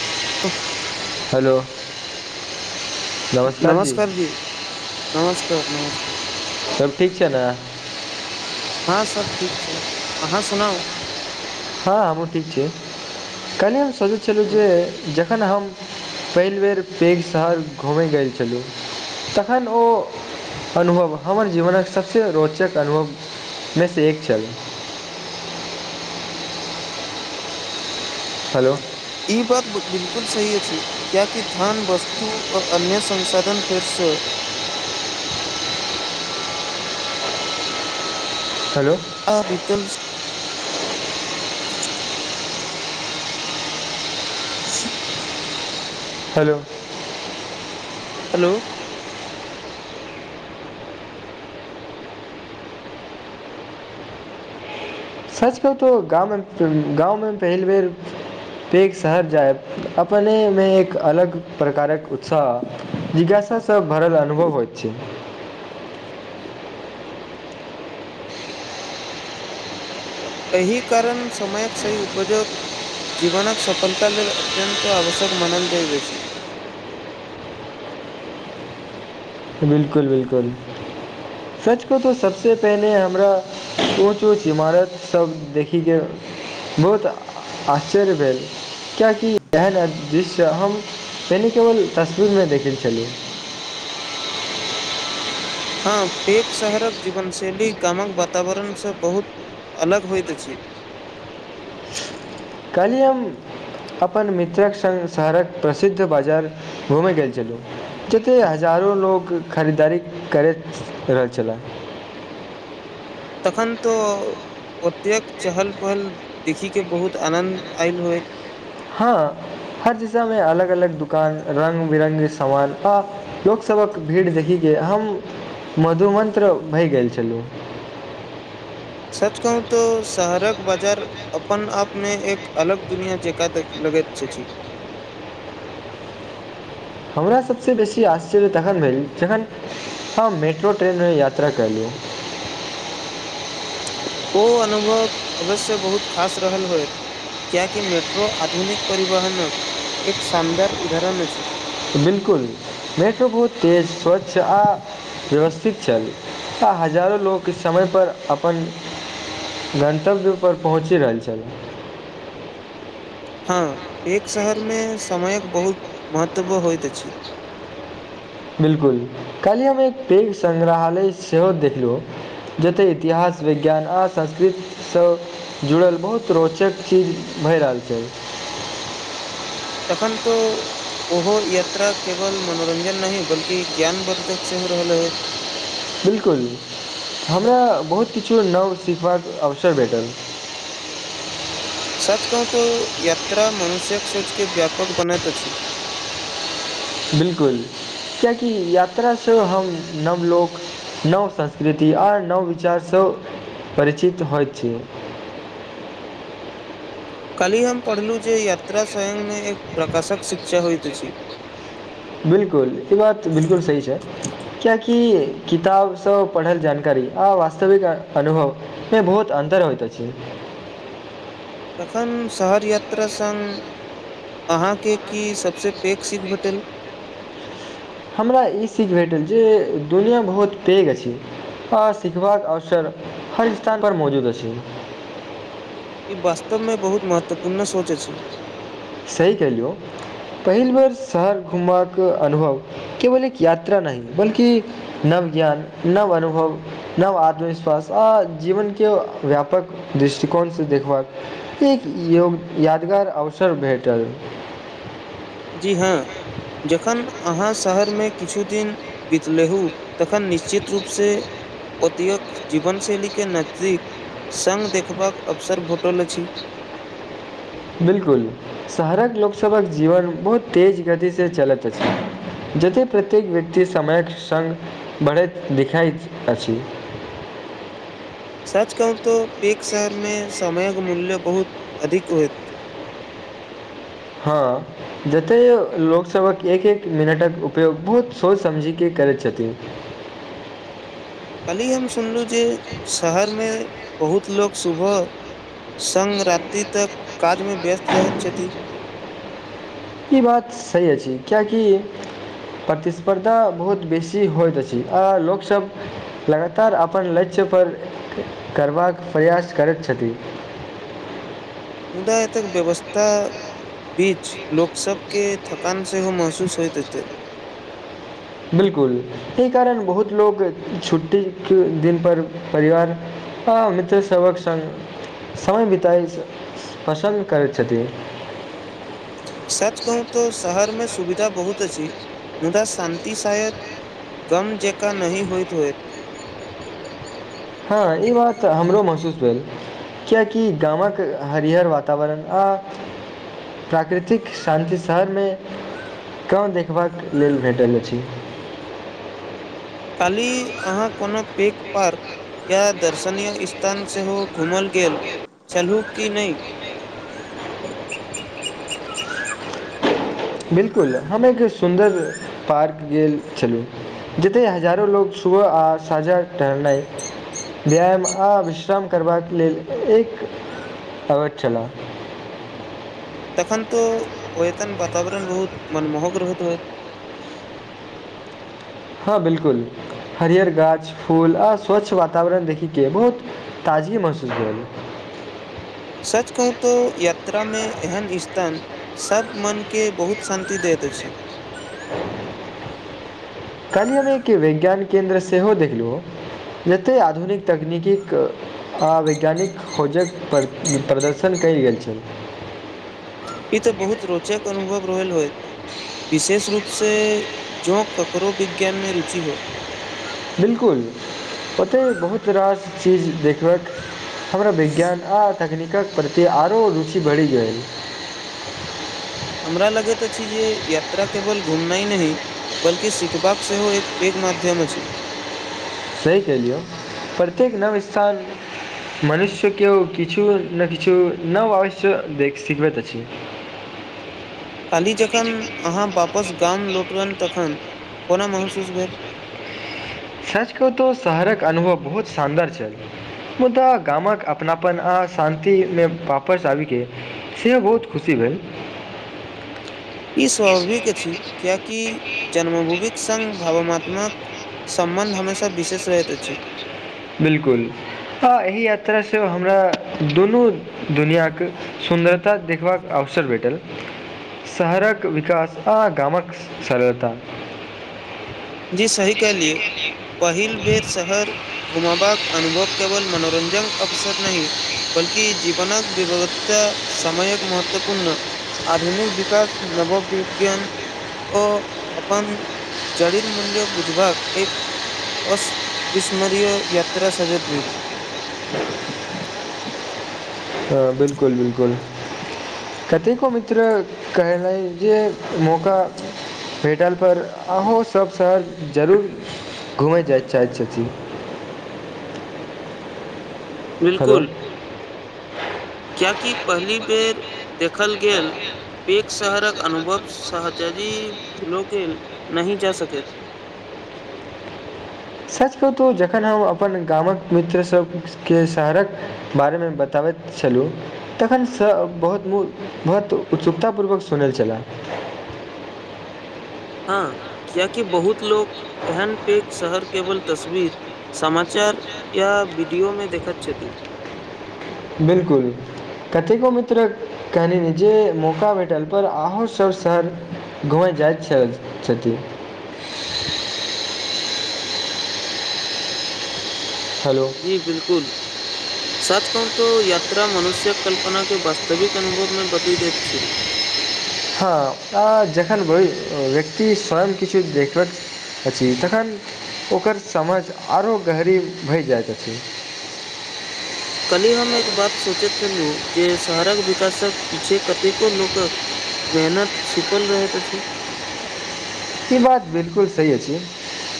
[unintelligible] Hello. नमस्कार जी [unintelligible] नमस्कार- नमस्कार सब ठीक छै ने हँं [unintelligible] सब ठीक छै। अहाँ सुनाउ। [unintelligible] हँ हमहूँ ठीक छी कनि हम सोचैत छलहुँ जे जखन हम पहिल बेर पैघ शहर घुमै गेल छलहुँ तखन ओ अनुभव हमर जीवनक सभसँ रोचक अनुभवमेसँ एक छल। [unintelligible] हेलो। [unintelligible] ई बात बिलकुल सही अछि कियाकि धन वस्तु आ अन्य संसाधन फेरसँ। [unintelligible] हेलो। [unintelligible] आ बितल। [unintelligible] [unintelligible] हेलो। [unintelligible] हेलो। [unintelligible] साच कहतहु गाँवमे -गाँवमे पहिल बेर पघ शहर जायब अपनेमे एक अलग प्रकारक उत्साह जिज्ञासँ भरल अनुभव होइत छै। [unintelligible] एहि कारण समयक सही उपयोग जीवनक सफलता लेल अत्यन्त आवश्यक मानल जाइत अछि। [unintelligible] बिल्कुल- बिलकुल सच क तऽ सभसँ पहिने हमरा ऊँच -ऊँच इमारतसभ देखैके बहुत- आश्चर्य भेल कियाकि एहन दिश्य हम पहिनेे केवल तस्वीरमे देखै छलहु। [unintelligible] हँ पैक शहरक जीवनशैली गामक वातावरणसँ बहुत अलग होइत अछि। [unintelligible] कहलिय हम अपन मित्रक सङ्ग शहरक प्रसिद्ध बाजार घूमय गेल छलहुँ जते हजारो लोक खरीदारी करैत रहल छले। [unintelligible] तखन तऽ ओतेक चहल पहल देखिके बहुत आनन्द आयल होइत। [unintelligible] हँ हर दिशामे अलग -अलग दकान रङ्ग बिरङ्गके सामान आ लोकसभक भीड़ देखिके हम मधुमन्त्र भए गेल छलहुँ। [unintelligible] सच कहू तऽ शहरक। [unintelligible] बाजार अपन आपमे एक अलग दुनिया जकाँ लगैत अछि। [unintelligible] हमरा सभसँ बेसी आश। [unintelligible] त हम्र ्र य्रा कहु। [unintelligible] ओ अनुभव अवश्य बहुत खास रहल होय क्यकि मेट्रो आधुनिक परिवहन एक शानदार उदरण अछी। बिलकुल मेटो बहुत तेज स्वच्छ आ व्यवस्थित छल आ हजारो लोक समयपर अपन गन्तव्यपर पहुँचि रहल छल। [unintelligible] हँ एक शहरमे समयक बहुत महत्व होइत अछि। [unintelligible] बिलकुल काल्हि हम एक पैघ सङ्ग्रहालय सेहो देखलहुँ जतय इतिहास विज्ञान आ संस्कृतिसँ जुड़ल बहुत रोचक चीज भए रहल छै। [unintelligible] तखन तऽ ओहो यात्रा केवल मनोरञ्जन नहि बल्कि ज्ञानवर्धक सेहो रहल होत। [unintelligible] बिल्कुल हमरा बहुत किछु नव सिखबाक अवसर भेटल। [unintelligible] सच कहूँ तऽ यात्रा मनुष्यक सोचके व्यापक बनैत अछि। [unintelligible] बिल्कुल कियकि यात्रासँ हम नवलोक नव संस्कृति आओर नव विचारसँ परिचित होइत छी। [unintelligible] काल्हि हम पढ़लहुँ जे यात्रा संयममे एक प्रकाशक शिक्षा होइत अछि। [unintelligible] बिलकुल ई बात बिलकुल सही छै क्य कि। [unintelligible] कि किताबसँ पढ़ल जानकारी आ वास्तविक अनुभवमे बहुत अन्तर होइत अछि। [unintelligible] एखन। [unintelligible] शहर यात्रा संग अहाँके की सभसँ पैघ सीख भेटल। हमरा ई सीख भेटल जे दुनिआँ बहुत पैघ अछि आ सिखबाक अवसर हर स्थान पर मौजूद अछि। ई वास्तवमे बहुत महत्वपूर्ण सोच अछि। सही कहलियौ, पहिल बेर शहर घुमबाक अनुभव केवल एक यात्रा नहि बल्कि नव ज्ञान, नव अनुभव, नव आत्मविश्वास आ जीवन के व्यापक दृष्टिकोण सँ देखबाक एक योग यादगार आवश। सब भेटल। [unintelligible] जी हँ जखन अहाँ शहरमे किछु दिन बितलहुँ तखन निश्चित रूपसँ ओतेक जीवनशैलीके नजदीक सङ्ग देखबाक अवसर भेटल अछि। [unintelligible] बिल्कुल शहरक लोकसभक जीवन बहुत तेज गतिसँ चलैत अछि जतेक प्रत्येक व्यक्ति समयक सङ्ग बढ़ैत दिखाइत अछि। [unintelligible] सच कहूँ तऽ पक शहरमे समयक मूल्य बहुत अधिक होयत। [unintelligible] हँ, जते लोक सभ क एक एक मिनटक उपयोग बहुत सोचि समझिके करैत छथिन। कल्हि हम सुनलहुँ जे शहरमे बहुत लोक सुबह सङ्ग रात्रि तक काजमे व्यस्त रहैत छथि। ई बात सही अछि किियकि प्रतिस्पर्धा बहुत बेसी होइत अछि, आ लोकसभ लगातार अपन लक्ष्यपर करबाक प्रयास करैत छथिन। मुदा एतेक व्यवस्थाक बीच लोक सभ के थकान सेहो महसूस होइत अछि। बिलकुल, एहि कारण बहुत लोक छुट्टीके दिनपर परिवार आ मित्र सभक सङ्ग समय बितय पसन्द करैत छथिन। सच कहू तो शहर मे सुविधा बहुत अछि, मुदा शान्ति शाय गम जका नहि होइत होएत। हँ, ई बात हमरो महसूस भेल, कियाकि गामक हरहर वातावरण आ प्राकृतिक शान्ति शहरमे कम देखबाक लेल भेटल अछि। काल्हि अहाँ कोनो पैक पार्क या दर्शनीय स्थान सेहो घूमल गेल छलूँ कि नहि। बिलकुल, हम एक सुन्दर पार्क गेल छलहुँ, जतय हजारो लोकोग सुबह आ सझा टहलनाइ व्यायाम आ विश्राम करबाक लेल एक अबैत छलह। तखन तऽ ओ एतन वातावरण बहुत मनमोहक रह होत ह। हँ बिल्कुल, हरियर गाछ, फूल आ स्वच्छ वातावरण देखये बहुत ताजगी महसूस भेल। सच कहू तऽ यात्रा मे एहन स तन सभ मन के बहुत शान्ति दैत अछि। काल्हि हम एक विैज्ञान केन्द्र सेहो देखलहुँ, जतेक आधुनिक तकनीकीक आ वैज्ञानिक खोजक प्र प्रदर्शन कयल गेल छल। ओत बहुत रोचक अनुभव रहल होइत, विशेष रूपसँ जोँ ककरो विज्ञान मे रुचि हो। बिल्कुल ओतय बहुत रास चीज देखबै हमरा विज्ञान आ तकनीकक प्रति आरो रुचि बढ़ि गेल। हमरा लगैत अछि जे यात्रा केवल घुमनाइ नहि बल्कि सिखबाक सेहो एक पैघ माध्यम अछि। सही कहैलियौ प्रत्येक नव स्थान मनुष्य केओ किछु न किछु नव आवश्य देख सिखबैत अछि। कालही जखन अहाँ बापस गाम लौटलनि तखन कोना महसूस भेल सच कह तऽ शहरक अनुभव बहुत शानदार छल, मुदा गामक अपनापन आ शान्ति मे वापस आबिक के सेहो बहुत खुशी भेल। ई स्वाभाविक अछि, किियकि जन्मभूमिक सङ्ग भावनाात्माक सम्बन्ध हमेशा विशेष रहैत अछि। बिलकुल, आ एहि यात्रा सँ हमरा दुनू दुनिआक सुन्दरता देखबाक अवसर भेटल शहरक विकास, आ गामक सरलता। जी सही कहलियए पहिल बेर शहर घुमाबाक अनुभव केवल मनोरंजनक अवसर नहि, बल्कि जीवनक विविधता समयक महत्वपूर्ण आधुनिक विकास, नवो वििज्ञान ओ अपन जडीर मूल्य बुझबाक एक अविस्मरय यात्रा सभ भैत भेलल। हँ, बिलकुल-बिलकुल कतेको मित्र कहनानि जे मौका भेटल पर अहूँ सभ शहर जरूर घूमय जाय चाहै छथि। हेलो। क्याकी पही बेर देखल गेल पेेक शहरक अनुभव शहजाजी भूलो के नहि जा सकैत। सच कतहु जखन हम अपन गामक मित्र सभ के शहरक बारे मे बताबैत छलहुँ, तखन बहुत बहुत उत्सुकता पूर्वक सुनने छले। हाँ कियाकि बहुत लोक एहन पैक शहर केवल तस्वीर, समाचार या वीडियो मे देखत छथि। बिलकुल कतेको मित्र कहलिन जेे मौका भेठल पर आहों सब शहर घुमे जाएत छैथ छथि। हेलो जी बिलकुल सच कहु तो यात्रा मनुष्यक कल्पना के वास्तविक अनुभवमे बदलि दैत छल। हँ, जखन व्यक्ति स्वयं किछु देखबैत अछि तखन ओकर समझ आरो गहरी भए जाइत अछि। कल्हि हम एक बात सोचैत छलहुँ जे शहरक विकासक पीछे कतेको लोकक मेहनत छिपल रहैत अछि। ई बात बिलकुल सही अछि,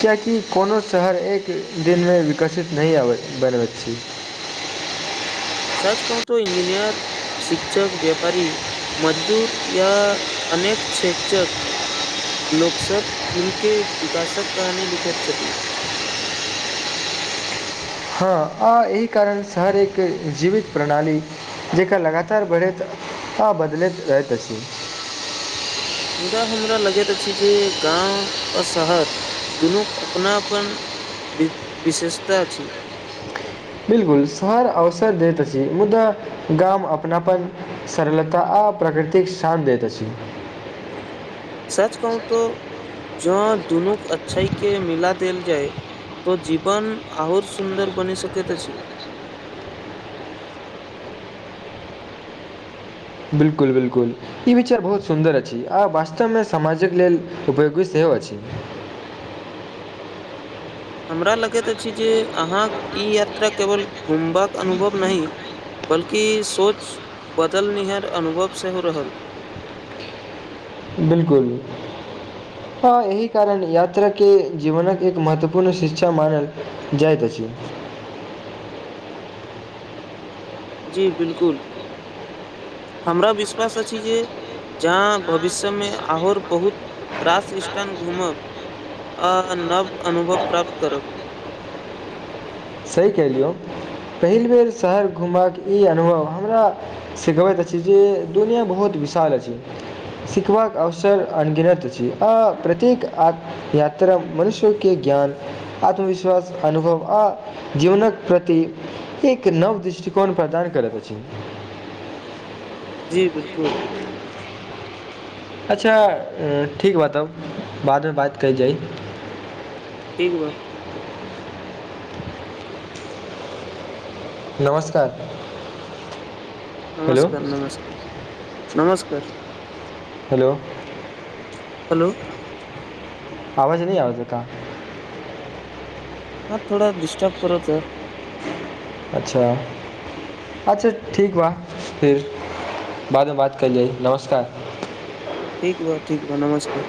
किियकि कोनो शहर एक दिन मे विकसित नहि आबैत बनबैत छी। सच कहू तो इंजीनियर, शिक्षक, व्यापारी, मजदूर या अनेक क्षेत्रक लोक सब मिलके विकासक कहानी लिखैत छथि। हाँ आ एहि कारण शहर एक जीवित प्रणाली जेका लगातार बढ़ैत आ बदलैत रहैत अछि। मुदा हमरा लगैत अछि जे गांव आ शहर दुनूक अपनापन वि विशेषता अछि। बिलकुल शहर अवसर दैत अछि, मुद्दा गाम अपनापन, सरलता आ प्रकृतिक शान दैत अछि। सच कहु तो जौ दुनूक अच्छाई के मिला देल जाय तो जीवन आओर सुन्दर बनि सकैत अछि। बिलकुल-बिल्कुल ई विचार बहुत सुन्दर अछि आ वास्तव मे समाजक लेल उपयोगी सेहो अछि। हमरा लगैत अछि जे अहाँक ई यात्रा केवल घुमबाक अनुभव नहि बल्कि सोच बदलनिहार अनुभव सेहो रहल। बिलकुल हाँ एहि कारण यात्रा के जीवनक एक महत्वपूर्ण शिक्षा मानल जाएत अछि। जी बिलकुल हमरा विश्वास अछि जे जहाँ भविष्यमे आओर बहुत रास स्टान घूमब आ नव अनुभव प्राप्त करब। सही केहलियौ पहिल बेर शहर घुमबाक ई अनुभव हमरा सिखबैत अछि जे दुनिया बहुत विशाल अछि, सिखबाक अवसर अनगिनत अछि आ प्रत्येक आ यात्रा मनुष्यके ज्ञान, आत्मविश्वास अनुभव आ जीवनक प्रति एक नव दृष्टिकोण प्रदान करत अछि। जी बिलकुल। अच्छा ठीक बा तब बादमे बात कएल जाइ। ठीक बा। नमस्कार। हेलो नमस्कार-नमस्कार। नमस्कार। हेलो। हेलो। अवाज नै आबै छै का हाँ थोड़ा डिस्टर्ब करत। अच्छा, अच्छा ठीक बा फिर बाद मे बात कयल जाई नमस्कार। ठीक बा, ठीक बा नमस्कार।